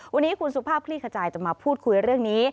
วันนี้คุณสุภาพคลี่ขจายจะมาพูดคุยเรื่องนี้